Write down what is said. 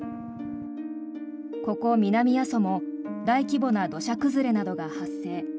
ここ南阿蘇も大規模な土砂崩れなどが発生。